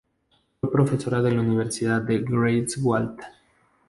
Fue profesora de la Universidad de Greifswald.